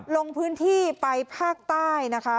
ลงพื้นที่ไปภาคใต้นะคะ